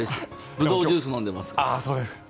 ブドウジュース飲んでますから。